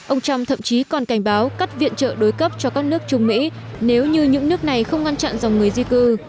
ông trump thậm chí còn cảnh báo cắt viện trợ đối cấp cho các nước trung mỹ nếu như những nước này không ngăn chặn dòng người di cư